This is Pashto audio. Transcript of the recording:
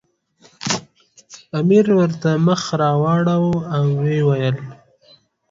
امیر ورته مخ راواړاوه او ویې ویل.